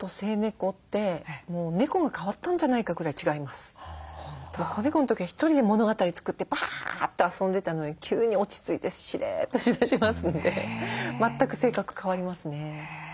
子猫の時は１人で物語作ってバーッと遊んでたのに急に落ち着いてしれっとしだしますんで全く性格変わりますね。